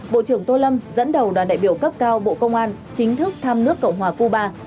bộ trưởng tô lâm dẫn đầu đoàn đại biểu cấp cao bộ công an chính thức thăm nước cộng hòa cuba